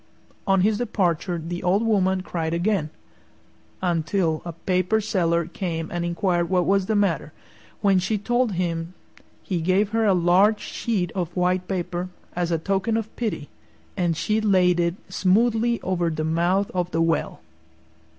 On his departure the old woman cried again, until a Paper Seller came and inquired what was the matter. When she told him he gave her a large sheet of white paper, as a token of pity, and she laid it smoothly over the mouth of the well.